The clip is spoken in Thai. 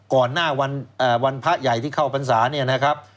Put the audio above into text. ก่อนหน้าวันพระใหญ่ที่เข้าพรรษาเนี่ยนะครับ